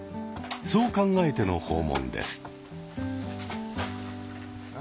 そう考えての訪問です。